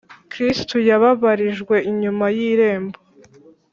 kristo “yababarijwe inyuma y’irembo”